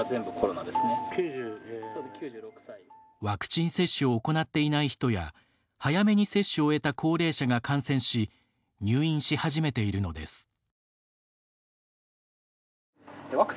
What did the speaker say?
ワクチン接種を行っていない人や早めに接種を終えた高齢者が感染し入院し始めているのです。